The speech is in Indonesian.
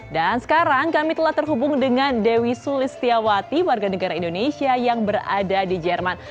dan sekarang kami telah terhubung dengan dewi sulistiawati warga negara indonesia yang berada di jerman